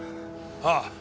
ああ。